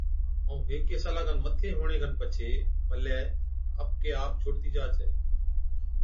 ائُون هيڪي سالا کن مٿي هُوَڻي کن پڇي ملَي آپڪي آپ ڇوڙتِي جا ڇَي